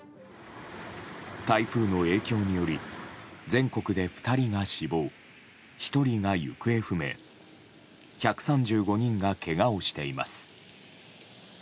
台風の影響により全国で２人が死亡１人が行方不明１３５人がけがをしています。